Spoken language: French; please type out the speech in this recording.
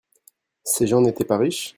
Ces gens n'étaient pas riches ?